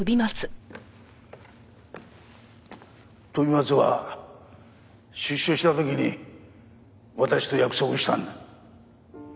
飛松は出所した時に私と約束したんだ。